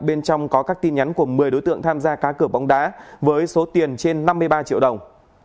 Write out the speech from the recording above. bên trong có các tin nhắn của một mươi đối tượng tham gia cá cửa bóng đá với số tiền trên năm mươi ba triệu đồng